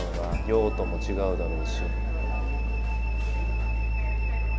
用途も違うだろうし。